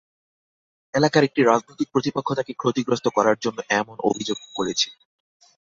এলাকার একটি রাজনৈতিক প্রতিপক্ষ তাঁকে ক্ষতিগ্রস্ত করার জন্য এমন অভিযোগ করেছে।